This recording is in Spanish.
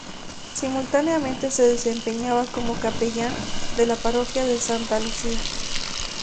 Simultáneamente se desempeñaba como capellán de la parroquia de Santa Lucía.